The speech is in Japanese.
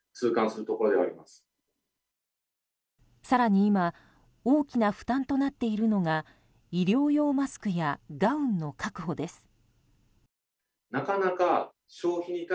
更に今大きな負担となっているのが医療用マスクやガウンの確保です。